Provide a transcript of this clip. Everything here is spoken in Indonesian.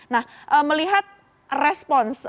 nah melihat respons